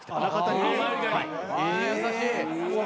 優しい。